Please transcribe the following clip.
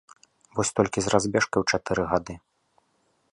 Вось толькі з разбежкай у чатыры гады.